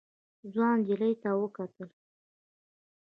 ځوان نجلۍ ته وکتل.